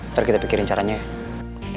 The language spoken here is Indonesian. ntar kita pikirin caranya